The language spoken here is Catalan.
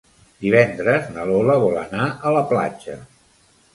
Divendres na Lola vol anar a la platja.